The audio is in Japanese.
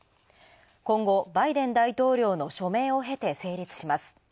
今後、バイデン大統領の署名を経て成立します。